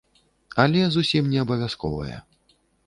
Але зусім не абавязковая.